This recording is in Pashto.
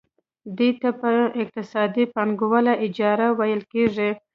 دې ته په اقتصاد کې پانګواله اجاره ویل کېږي